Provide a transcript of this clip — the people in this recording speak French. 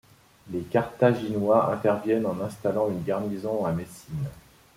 Les Carthaginois interviennent en installant une garnison à Messine.